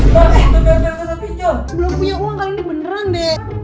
belum punya uang kali ini beneran deh